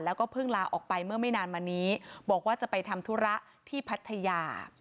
แล้วก็เพิ่งลาออกไปเมื่อไม่นานมานี้บอกว่าจะไปทำธุระที่พัทยา